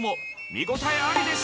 見応えありです！